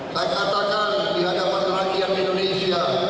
saya katakan di hadapan rakyat indonesia